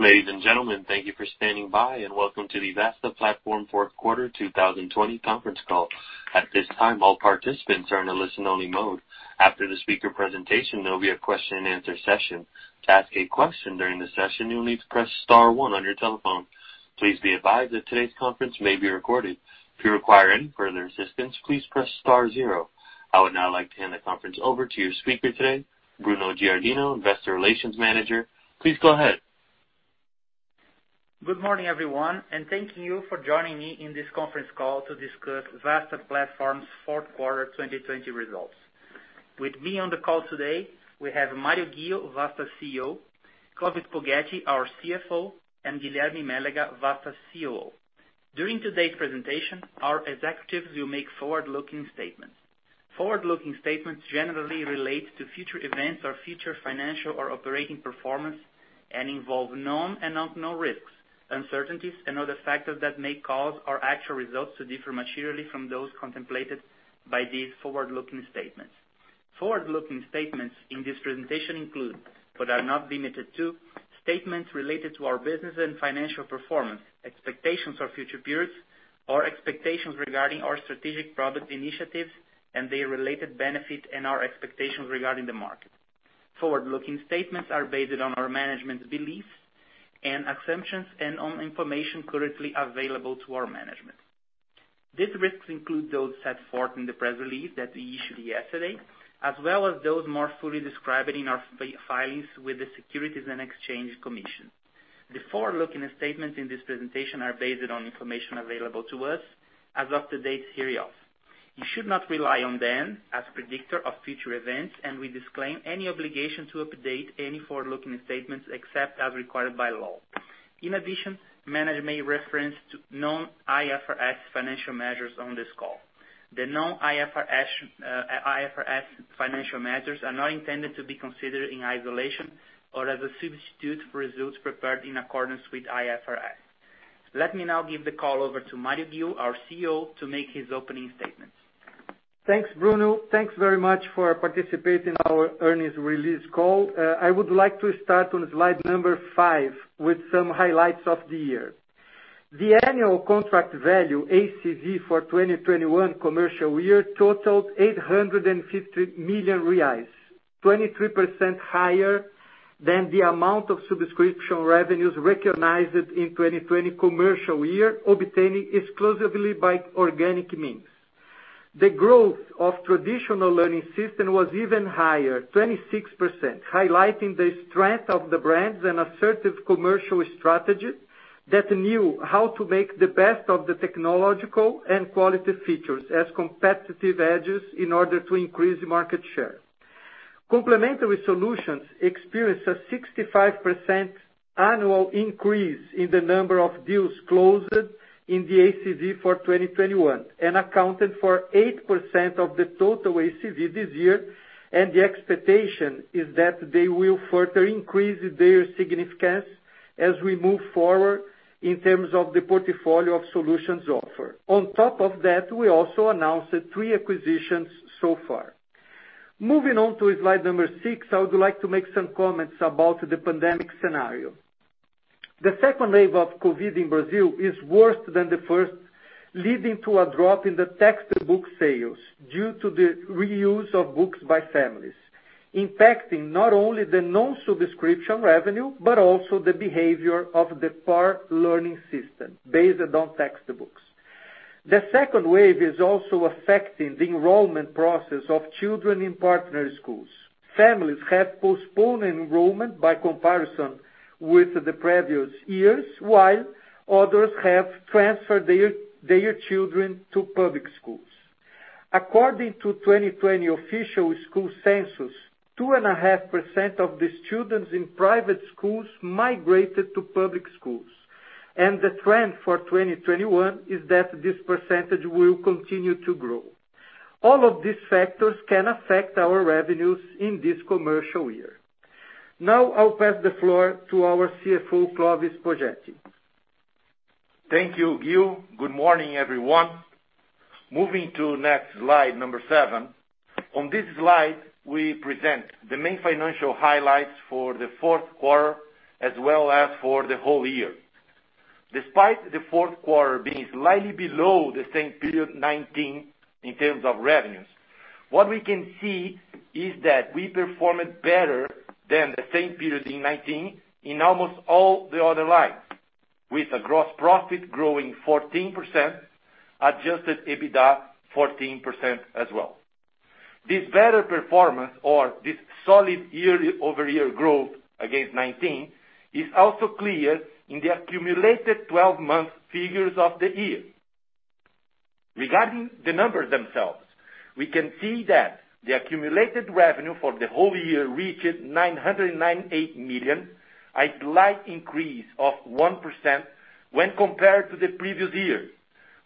Ladies and gentlemen, thank you for standing by, and welcome to the Vasta Platform Fourth Quarter 2020 Conference Call. At this time, all participants are in a listen-only mode. After the speaker presentation, there will be a question and answer session. To ask a question during the session, you'll need to press star one on your telephone. Please be advised that today's conference may be recorded. If you require any further assistance, please press star zero. I would now like to hand the conference over to your speaker today, Bruno Giardino, investor relations manager. Please go ahead. Good morning, everyone, thank you for joining me in this conference call to discuss Vasta Platform's fourth quarter 2020 results. With me on the call today, we have Mário Ghio, Vasta's CEO, Clovis Poggetti, our CFO, and Guilherme Mélega, Vasta's COO. During today's presentation, our executives will make forward-looking statements. Forward-looking statements generally relate to future events or future financial or operating performance and involve known and unknown risks, uncertainties, and other factors that may cause our actual results to differ materially from those contemplated by these forward-looking statements. Forward-looking statements in this presentation include, but are not limited to, statements related to our business and financial performance, expectations for future periods, or expectations regarding our strategic product initiatives and their related benefit, and our expectations regarding the market. Forward-looking statements are based on our management's beliefs and assumptions and on information currently available to our management. These risks include those set forth in the press release that we issued yesterday, as well as those more fully described in our filings with the Securities and Exchange Commission. The forward-looking statements in this presentation are based on information available to us as of the date hereof. You should not rely on them as predictor of future events, and we disclaim any obligation to update any forward-looking statements except as required by law. In addition, management may reference to non-IFRS financial measures on this call. The non-IFRS financial measures are not intended to be considered in isolation or as a substitute for results prepared in accordance with IFRS. Let me now give the call over to Mário Ghio, our CEO, to make his opening statements. Thanks, Bruno. Thanks very much for participating in our earnings release call. I would like to start on slide five with some highlights of the year. The Annual Contract Value, ACV, for 2021 commercial year totaled 850 million reais, 23% higher than the amount of subscription revenues recognized in 2020 commercial year, obtaining exclusively by organic means. The growth of Traditional Learning System was even higher, 26%, highlighting the strength of the brands and assertive commercial strategies that knew how to make the best of the technological and quality features as competitive edges in order to increase market share. Complementary solutions experienced a 65% annual increase in the number of deals closed in the ACV for 2021 and accounted for 8% of the total ACV this year. The expectation is that they will further increase their significance as we move forward in terms of the portfolio of solutions offered. On top of that, we also announced three acquisitions so far. Moving on to slide number six, I would like to make some comments about the pandemic scenario. The second wave of COVID-19 in Brazil is worse than the first, leading to a drop in the textbook sales due to the reuse of books by families, impacting not only the known subscription revenue, but also the behavior of the core learning system based on textbooks. The second wave is also affecting the enrollment process of children in partner schools. Families have postponed enrollment by comparison with the previous years, while others have transferred their children to public schools. According to 2020 official school census, 2.5% of the students in private schools migrated to public schools, and the trend for 2021 is that this percentage will continue to grow. All of these factors can affect our revenues in this commercial year. I'll pass the floor to our CFO, Clovis Poggetti. Thank you, Ghio. Good morning, everyone. Moving to next slide, number seven. On this slide, we present the main financial highlights for the fourth quarter as well as for the whole year. Despite the fourth quarter being slightly below the same period 2019 in terms of revenues, what we can see is that we performed better than the same period in 2019 in almost all the other lines, with a gross profit growing 14%, adjusted EBITDA 14% as well. This better performance or this solid year-over-year growth against 2019 is also clear in the accumulated 12-month figures of the year. Regarding the numbers themselves, we can see that the accumulated revenue for the whole year reached 998 million, a slight increase of 1% when compared to the previous year,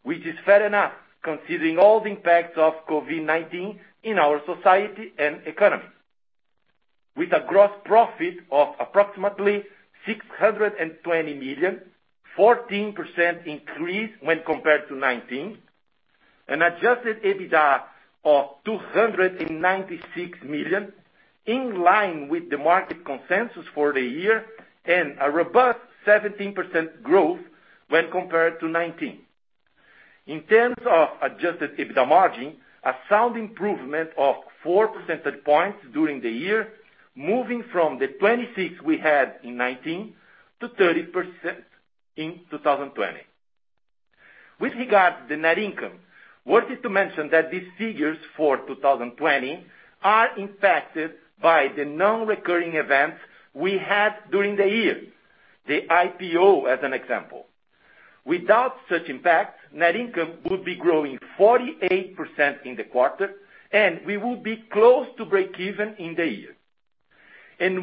which is fair enough considering all the impacts of COVID-19 in our society and economy. With a gross profit of approximately 620 million, 14% increase when compared to 2019. Adjusted EBITDA of 296 million, in line with the market consensus for the year, and a robust 17% growth when compared to 2019. In terms of Adjusted EBITDA margin, a sound improvement of four percentage points during the year, moving from the 26 we had in 2019 to 30% in 2020. With regard to the net income, worth it to mention that these figures for 2020 are impacted by the non-recurring events we had during the year, the IPO as an example. Without such impact, net income would be growing 48% in the quarter, and we would be close to breakeven in the year.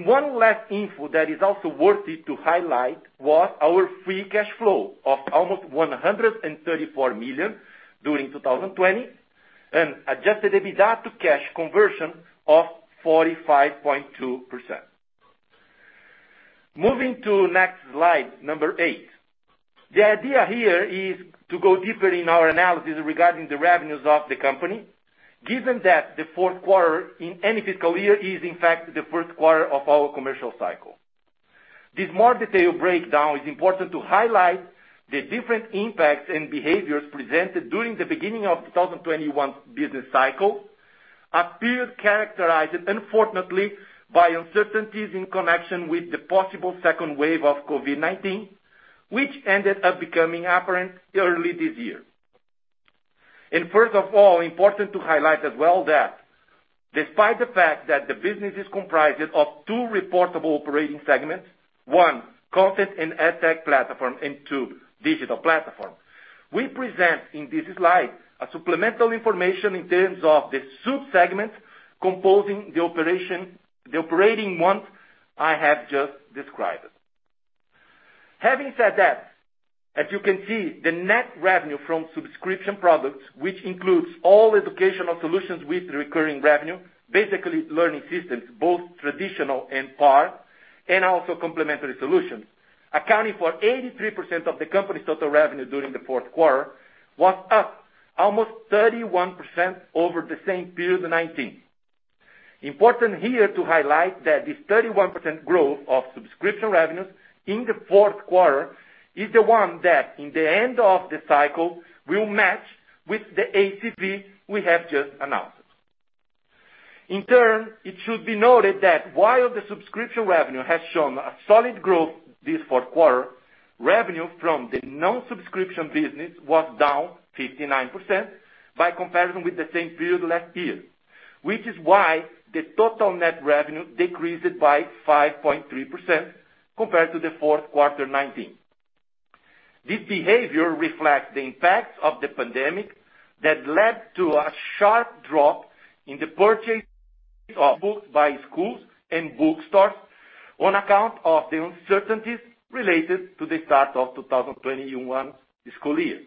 One last info that is also worth it to highlight was our free cash flow of almost 134 million during 2020, an Adjusted EBITDA to cash conversion of 45.2%. Moving to next slide number eight. The idea here is to go deeper in our analysis regarding the revenues of the company, given that the fourth quarter in any fiscal year is in fact the first quarter of our commercial cycle. This more detailed breakdown is important to highlight the different impacts and behaviors presented during the beginning of 2021's business cycle, a period characterized unfortunately by uncertainties in connection with the possible second wave of COVID-19, which ended up becoming apparent early this year. First of all, important to highlight as well that despite the fact that the business is comprised of two reportable operating segments, one, content and EdTech platform, and two, digital platform, we present in this slide a supplemental information in terms of the sub-segment composing the operating one I have just described. Having said that, as you can see, the net revenue from subscription products, which includes all educational solutions with recurring revenue, basically learning systems, both traditional and PAR, and also complementary solutions, accounting for 83% of the company's total revenue during the fourth quarter, was up almost 31% over the same period in 2019. Important here to highlight that this 31% growth of subscription revenues in the fourth quarter is the one that in the end of the cycle will match with the ACV we have just announced. In turn, it should be noted that while the subscription revenue has shown a solid growth this fourth quarter, revenue from the non-subscription business was down 59% by comparison with the same period last year, which is why the total net revenue decreased by 5.3% compared to the fourth quarter 2019. This behavior reflects the impact of the pandemic that led to a sharp drop in the purchase of books by schools and bookstores on account of the uncertainties related to the start of 2021 school year.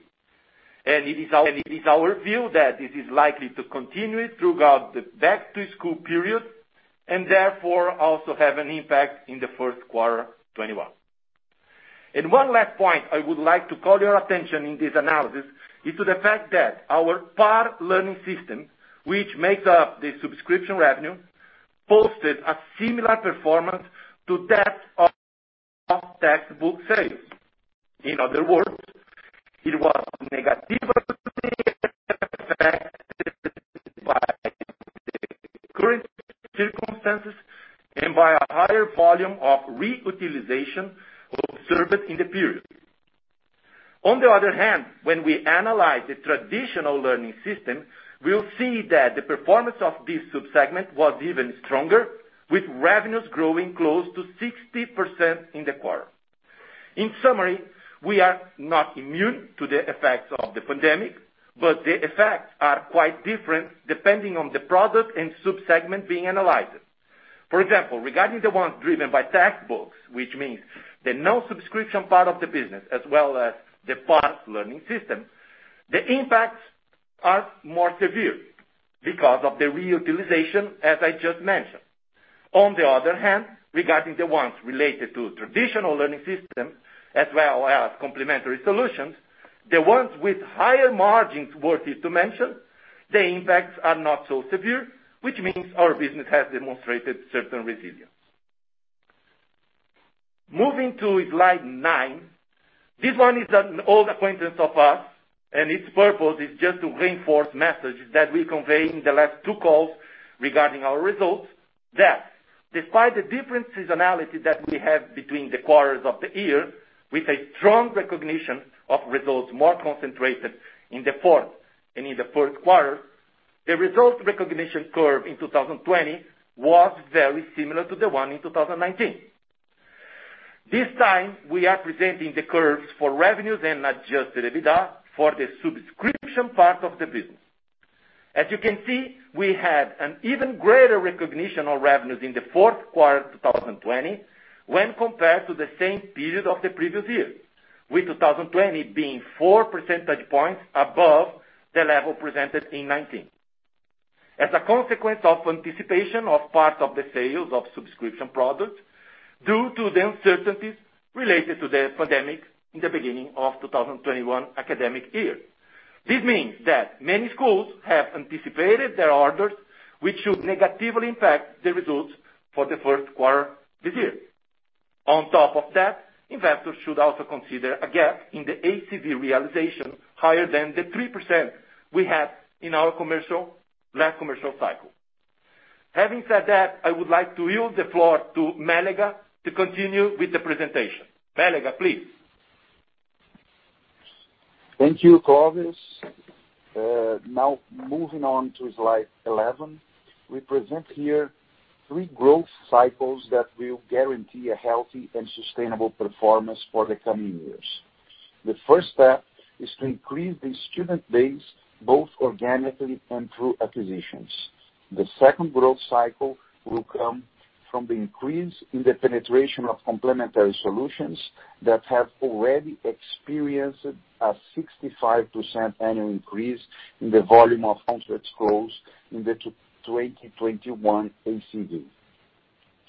It is our view that it is likely to continue throughout the back-to-school period and therefore also have an impact in the first quarter 2021. One last point I would like to call your attention in this analysis is to the fact that our PAR learning system, which makes up the subscription revenue, posted a similar performance to that of textbook sales. In other words, it was negatively affected by the current circumstances and by a higher volume of reutilization observed in the period. On the other hand, when we analyze the traditional learning system, we will see that the performance of this sub-segment was even stronger, with revenues growing close to 60% in the quarter. In summary, we are not immune to the effects of the pandemic, but the effects are quite different depending on the product and sub-segment being analyzed. For example, regarding the ones driven by textbooks, which means the no subscription part of the business, as well as the PAR learning system, the impacts are more severe because of the reutilization as I just mentioned. On the other hand, regarding the ones related to traditional learning system, as well as complementary solutions, the ones with higher margins, worth it to mention, the impacts are not so severe, which means our business has demonstrated certain resilience. Moving to slide nine. This one is an old acquaintance of us, and its purpose is just to reinforce messages that we conveyed in the last two calls regarding our results that despite the different seasonality that we have between the quarters of the year, with a strong recognition of results more concentrated in the fourth and in the first quarter, the results recognition curve in 2020 was very similar to the one in 2019. This time, we are presenting the curves for revenues and adjusted EBITDA for the subscription part of the business. As you can see, we had an even greater recognition of revenues in the fourth quarter of 2020 when compared to the same period of the previous year, with 2020 being four percentage points above the level presented in 2019. As a consequence of anticipation of part of the sales of subscription products due to the uncertainties related to the pandemic in the beginning of 2021 academic year. This means that many schools have anticipated their orders, which should negatively impact the results for the first quarter this year. On top of that, investors should also consider a gap in the ACV realization higher than the 3% we had in our last commercial cycle. Having said that, I would like to yield the floor to Mélega to continue with the presentation. Mélega, please. Thank you, Clovis. Moving on to slide 11. We present here three growth cycles that will guarantee a healthy and sustainable performance for the coming years. The first step is to increase the student base, both organically and through acquisitions. The second growth cycle will come from the increase in the penetration of complementary solutions that have already experienced a 65% annual increase in the volume of contract growth in the 2021 ACV.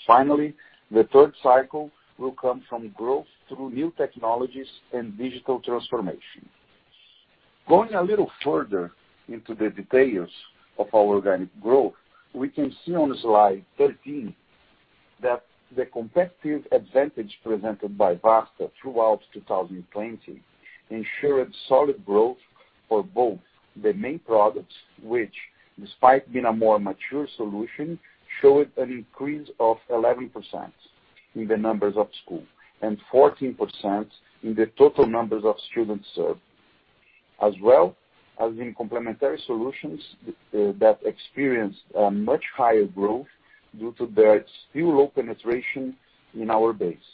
Finally, the third cycle will come from growth through new technologies and digital transformation. Going a little further into the details of our organic growth, we can see on slide 13 that the competitive advantage presented by Vasta throughout 2020 ensured solid growth for both the main products, which despite being a more mature solution, showed an increase of 11% in the numbers of school and 14% in the total numbers of students served. As well as in complementary solutions that experienced a much higher growth due to their still low penetration in our base,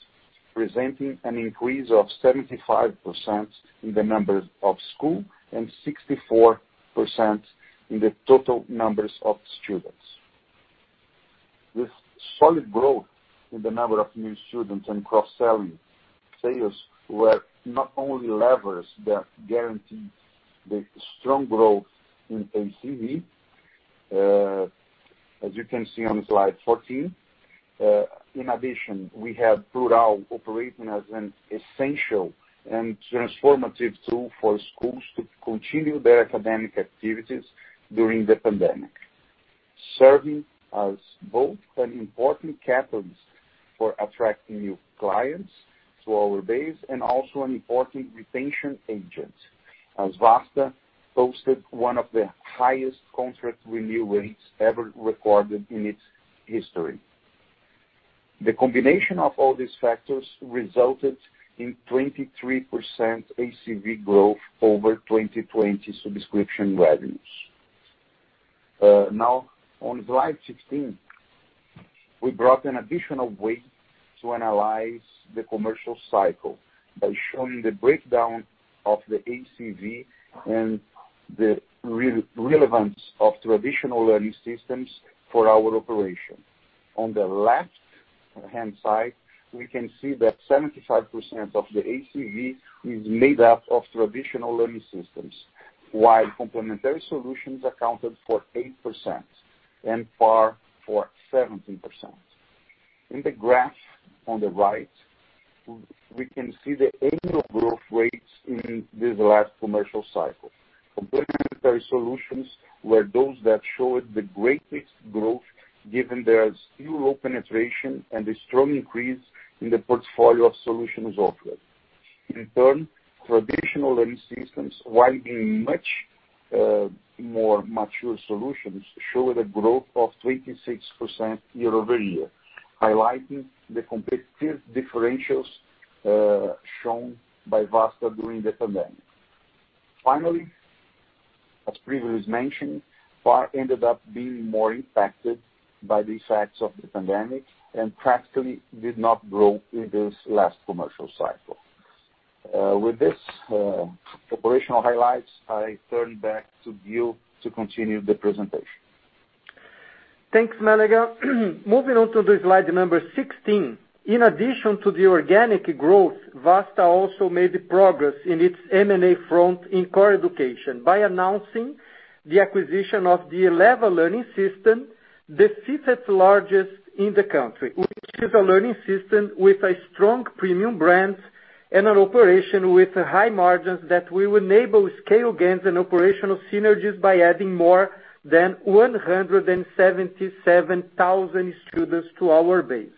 presenting an increase of 75% in the number of school and 64% in the total numbers of students. This solid growth in the number of new students and cross-selling sales were not only levers that guaranteed the strong growth in ACV, as you can see on slide 14. In addition, we have Plurall operating as an essential and transformative tool for schools to continue their academic activities during the pandemic, serving as both an important catalyst for attracting new clients to our base and also an important retention agent. As Vasta posted one of the highest contract renewal rates ever recorded in its history. The combination of all these factors resulted in 23% ACV growth over 2020 subscription revenues. On slide 16, we brought an additional way to analyze the commercial cycle by showing the breakdown of the ACV and the relevance of traditional learning systems for our operation. On the left-hand side, we can see that 75% of the ACV is made up of traditional learning systems, while complementary solutions accounted for 8% and PAR for 17%. In the graph on the right, we can see the annual growth rates in this last commercial cycle. Complementary solutions were those that showed the greatest growth, given their still low penetration and the strong increase in the portfolio of solutions offered. In turn, traditional learning systems, while being much more mature solutions, showed a growth of 26% year-over-year, highlighting the competitive differentials shown by Vasta during the pandemic. Finally, as previously mentioned, PAR ended up being more impacted by the effects of the pandemic and practically did not grow in this last commercial cycle. With this operational highlights, I turn back to you to continue the presentation. Thanks, Mélega. Moving on to the slide number 16. In addition to the organic growth, Vasta also made progress in its M&A front in Core Education by announcing the acquisition of the Eleva Learning System, the fifth largest in the country, which is a learning system with a strong premium brand and an operation with high margins that will enable scale gains and operational synergies by adding more than 177,000 students to our base.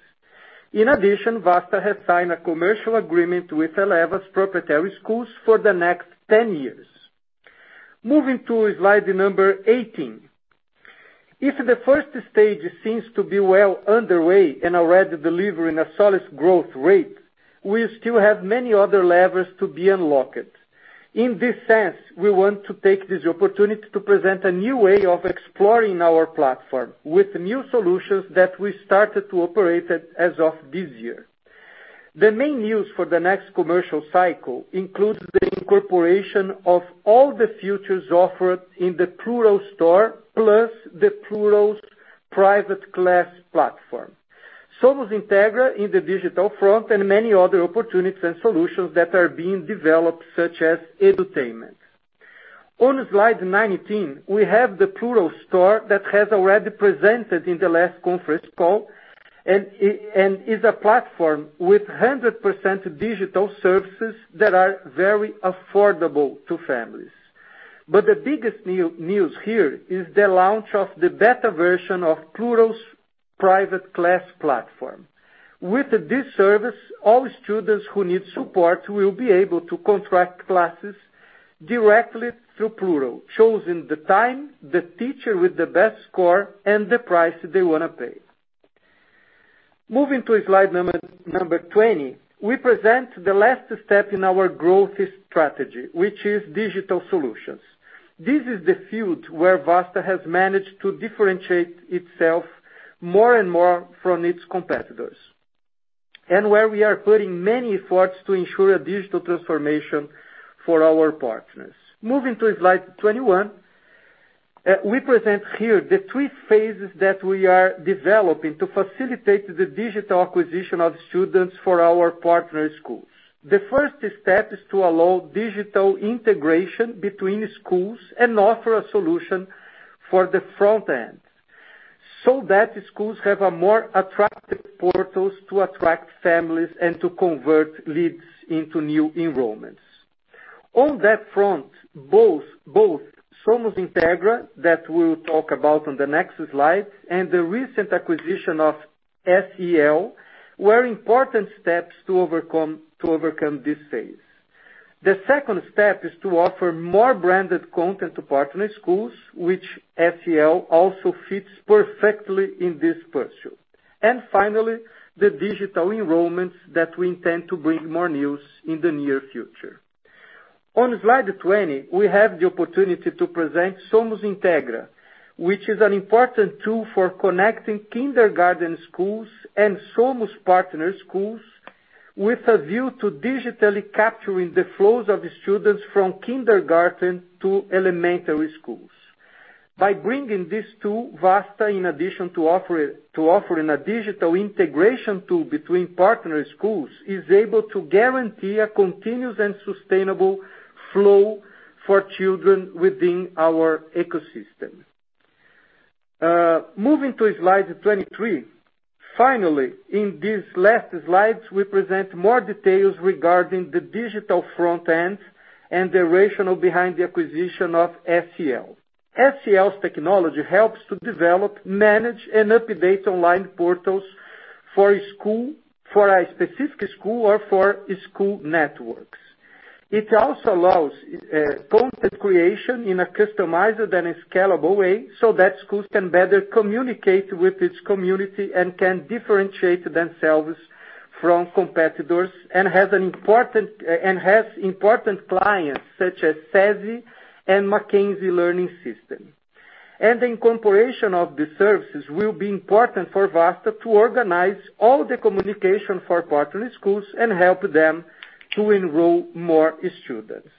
In addition, Vasta has signed a commercial agreement with Eleva's proprietary schools for the next 10 years. Moving to slide number 18. If the first stage seems to be well underway and already delivering a solid growth rate, we still have many other levers to be unlocked. In this sense, we want to take this opportunity to present a new way of exploring our platform with new solutions that we started to operate as of this year. The main use for the next commercial cycle includes the incorporation of all the features offered in the Plurall Store, plus the Plurall's private class platform. Somos Integra in the digital front and many other opportunities and solutions that are being developed, such as edutainment. On slide 19, we have the Plurall Store that has already presented in the last conference call and is a platform with 100% digital services that are very affordable to families. The biggest news here is the launch of the beta version of Plurall's private class platform. With this service, all students who need support will be able to contract classes directly through Plurall, choosing the time, the teacher with the best score, and the price they want to pay. Moving to slide number 20, we present the last step in our growth strategy, which is digital solutions. This is the field where Vasta has managed to differentiate itself more and more from its competitors and where we are putting many efforts to ensure a digital transformation for our partners. Moving to slide 21, we present here the three phases that we are developing to facilitate the digital acquisition of students for our partner schools. The first step is to allow digital integration between schools and offer a solution for the front end, so that schools have a more attractive portals to attract families and to convert leads into new enrollments. On that front, both Somos Integra, that we'll talk about on the next slide, and the recent acquisition of SEL, were important steps to overcome this phase. The second step is to offer more branded content to partner schools, which SEL also fits perfectly in this pursuit. Finally, the digital enrollments that we intend to bring more news in the near future. On slide 20, we have the opportunity to present Somos Integra, which is an important tool for connecting kindergarten schools and Somos partner schools with a view to digitally capturing the flows of students from kindergarten to elementary schools. By bringing this tool, Vasta, in addition to offering a digital integration tool between partner schools, is able to guarantee a continuous and sustainable flow for children within our ecosystem. Moving to slide 23. Finally, in these last slides, we present more details regarding the digital front end and the rationale behind the acquisition of SEL. SEL's technology helps to develop, manage, and update online portals for a specific school or for school networks. It also allows content creation in a customized and scalable way, so that schools can better communicate with its community and can differentiate themselves from competitors, and has important clients such as SESI and Mackenzie Learning System. The incorporation of the services will be important for Vasta to organize all the communication for partner schools and help them to enroll more students.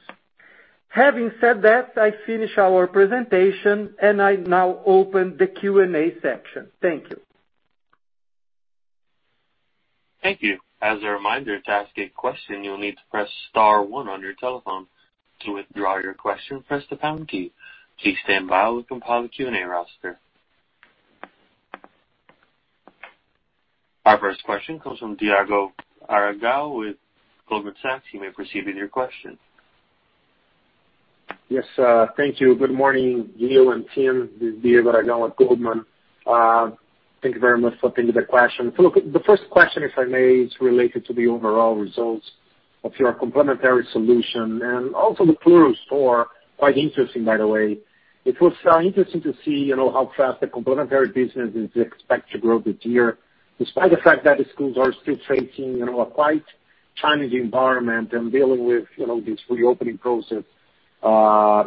Having said that, I finish our presentation, and I now open the Q&A section. Thank you. Thank you. As a reminder, to ask a question, you'll need to press star one on your telephone. To withdraw your question, press the pound key. Please stand by while we compile the Q&A roster. Our first question comes from Diego Aragão with Goldman Sachs. You may proceed with your question. Yes. Thank you. Good morning, Ghio and team. This is Diego Aragão with Goldman. Thank you very much for taking the question. Look, the first question, if I may, is related to the overall results of your complementary solution and also the Plurall Store. Quite interesting, by the way. It was interesting to see how fast the complementary business is expected to grow this year, despite the fact that the schools are still facing a quite challenging environment and dealing with this reopening process of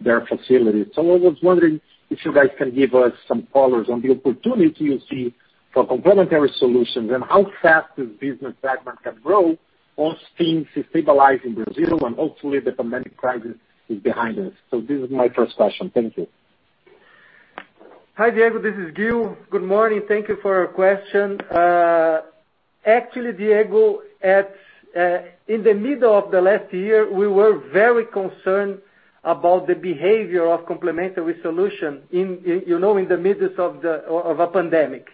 their facilities. I was wondering if you guys can give us some colors on the opportunity you see for complementary solutions and how fast this business segment can grow once things stabilize in Brazil and hopefully the pandemic crisis is behind us. This is my first question. Thank you. Hi, Diego. This is Ghio. Good morning. Thank you for your question. Actually, Diego, in the middle of the last year, we were very concerned about the behavior of complementary solution in the midst of a pandemic.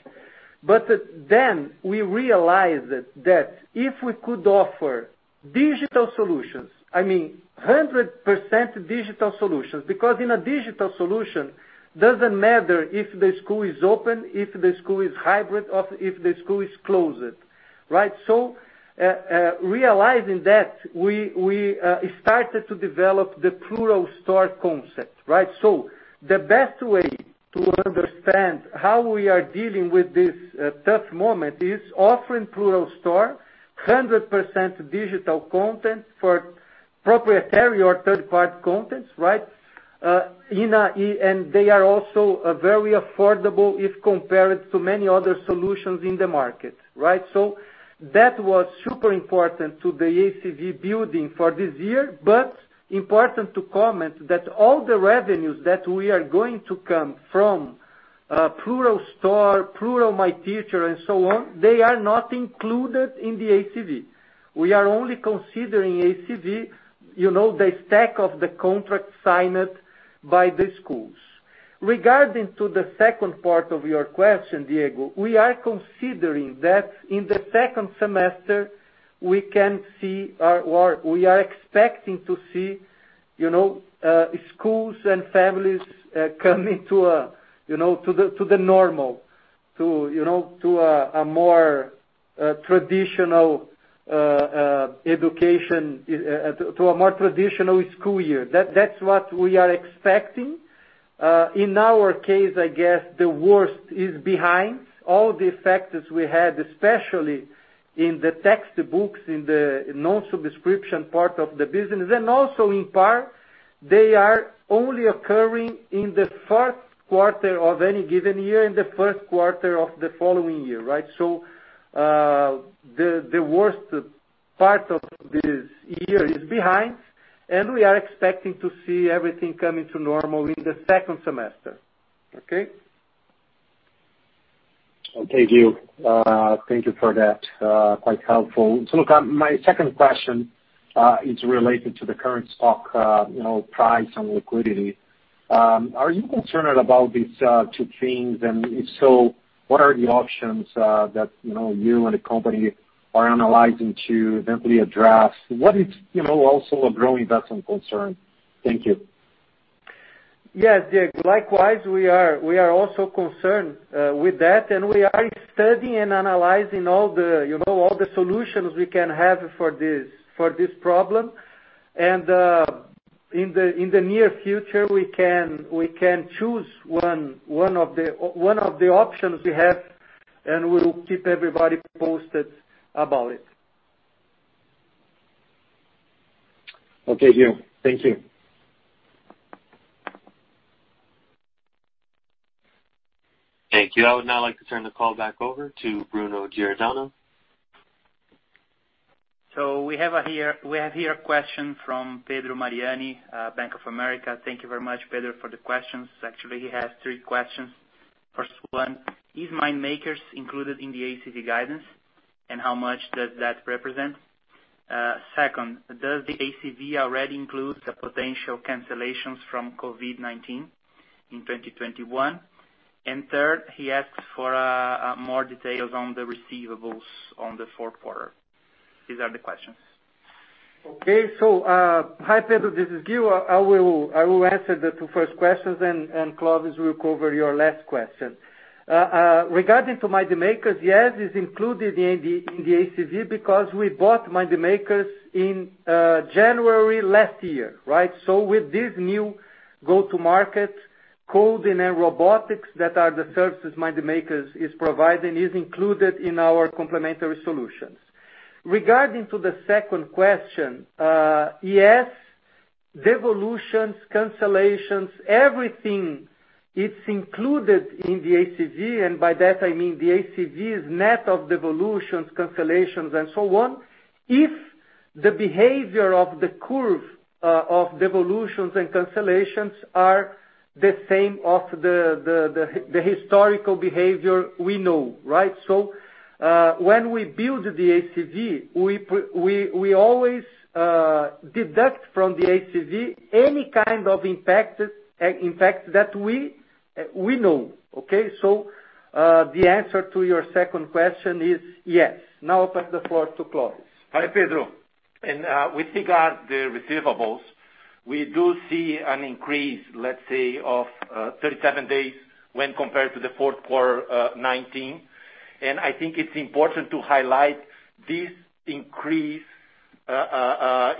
We realized that if we could offer digital solutions, I mean, 100% digital solutions, because in a digital solution, doesn't matter if the school is open, if the school is hybrid, or if the school is closed, right? Realizing that, we started to develop the Plurall Store concept, right? The best way to understand how we are dealing with this tough moment is offering Plurall Store 100% digital content for proprietary or third-party contents, right? They are also very affordable if compared to many other solutions in the market, right? That was super important to the ACV building for this year. Important to comment that all the revenues that we are going to come from Plurall Store, Plurall MeuProf, and so on, they are not included in the ACV. We are only considering ACV, the stack of the contracts signed by the schools. Regarding the second part of your question, Diego, we are considering that in the second semester, we are expecting to see schools and families coming to the normal, to a more traditional school year. That's what we are expecting. In our case, I guess the worst is behind. All the factors we had, especially in the textbooks, in the non-subscription part of the business, and also in part, they are only occurring in the fourth quarter of any given year, and the first quarter of the following year. Right? The worst part of this year is behind, and we are expecting to see everything coming to normal in the second semester. Okay? Okay, Ghio. Thank you for that, quite helpful. My second question is related to the current stock price and liquidity. Are you concerned about these two things? If so, what are the options that you and the company are analyzing to fully address what is also a growing investment concern? Thank you. Yes, Diego. Likewise, we are also concerned with that, and we are studying and analyzing all the solutions we can have for this problem. In the near future, we can choose one of the options we have, and we'll keep everybody posted about it. Okay, Ghio. Thank you. Thank you. I would now like to turn the call back over to Bruno Giardino. We have here a question from Pedro Mariani, Bank of America. Thank you very much, Pedro, for the questions. Actually, he has three questions. First one: Is Mind Makers included in the ACV guidance? How much does that represent? Second: Does the ACV already include the potential cancellations from COVID-19 in 2021? Third, he asks for more details on the receivables on the fourth quarter. These are the questions. Hi Pedro, this is Ghio. I will answer the two first questions and Clovis will cover your last question. Regarding to Mind Makers, yes, it's included in the ACV because we bought Mind Makers in January last year. Right? With this new go-to-market coding and robotics that are the services Mind Makers is providing, is included in our complementary solutions. Regarding to the second question, yes, devolutions, cancellations, everything is included in the ACV, and by that I mean the ACV is net of devolutions, cancellations, and so on. If the behavior of the curve of devolutions and cancellations are the same of the historical behavior we know. Right? When we build the ACV, we always deduct from the ACV any kind of impact that we know. Okay? The answer to your second question is yes. Now I pass the floor to Clovis. Hi, Pedro. With regard the receivables, we do see an increase, let's say, of 37 days when compared to the fourth quarter 2019. I think it's important to highlight this increase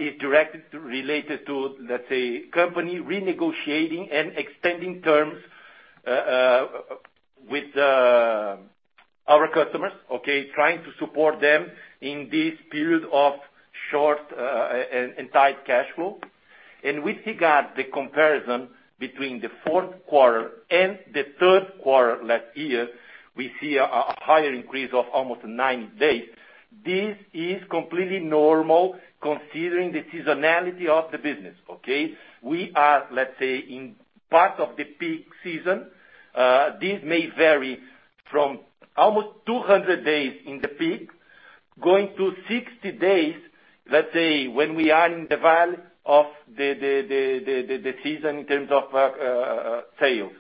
is directly related to, let's say, company renegotiating and extending terms with our customers, okay? Trying to support them in this period of short and tight cash flow. With regard the comparison between the fourth quarter and the third quarter last year, we see a higher increase of almost 90 days. This is completely normal considering the seasonality of the business, okay? We are, let's say, in part of the peak season. This may vary from almost 200 days in the peak, going to 60 days, let's say, when we are in the valley of the season in terms of sales.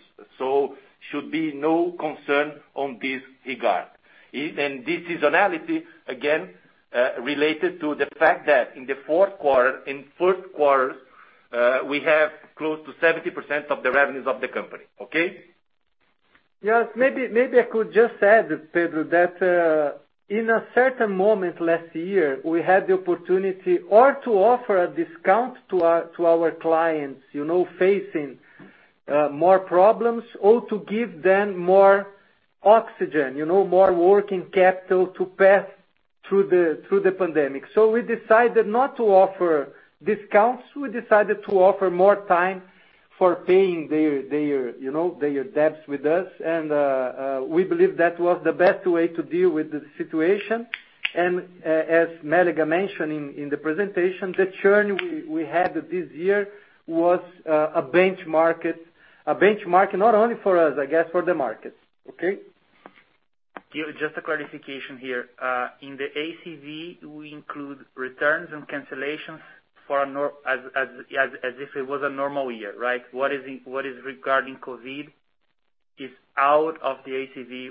Should be no concern on this regard. This seasonality, again, related to the fact that in the fourth quarter, we have close to 70% of the revenues of the company. Okay? Yes. Maybe I could just add, Pedro, that in a certain moment last year, we had the opportunity or to offer a discount to our clients facing more problems or to give them more oxygen, more working capital to pass through the pandemic. We decided not to offer discounts. We decided to offer more time for paying their debts with us. We believe that was the best way to deal with the situation. As Mélega mentioned in the presentation, the churn we had this year was a benchmark, not only for us, I guess, for the market. Okay? Ghio, just a clarification here. In the ACV, we include returns and cancellations as if it was a normal year, right? What is regarding COVID is out of the ACV.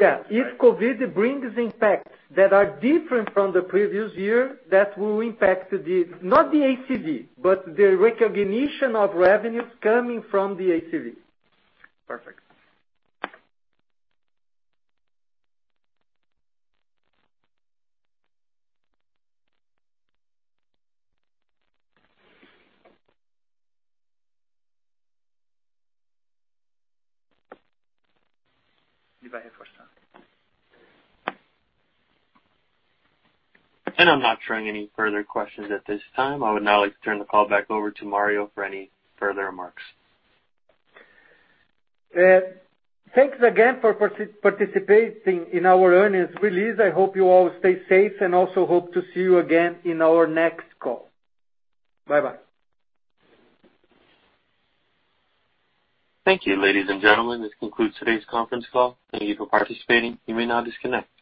Yeah. If COVID brings impacts that are different from the previous year, that will impact, not the ACV, but the recognition of revenues coming from the ACV. Perfect. Do you have any questions? I'm not showing any further questions at this time. I would now like to turn the call back over to Mario for any further remarks. Thanks again for participating in our earnings release. I hope you all stay safe and also hope to see you again in our next call. Bye-bye. Thank you, ladies and gentlemen. This concludes today's conference call. Thank you for participating. You may now disconnect.